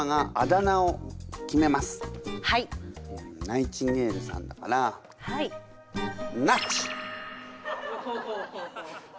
ナイチンゲールさんだからなっち？